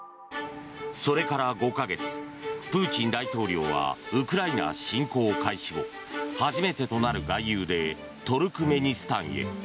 それから５か月プーチン大統領はウクライナ侵攻開始後初めてとなる外遊でトルクメニスタンへ。